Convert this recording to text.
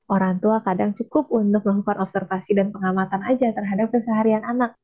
orang tua kadang cukup untuk melakukan observasi dan pengamatan aja terhadap keseharian anak